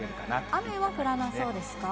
雨は降らなそうですか？